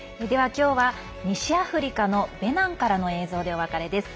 今日は西アフリカのベナンからの映像でお別れです。